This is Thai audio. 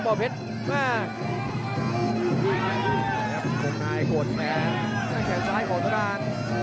แบบจะกระตุกมาหาจังหวานตีด้วยขวา